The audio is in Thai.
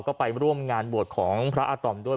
ก็ไปร่วมงานบวชของพระอาต่อมด้วย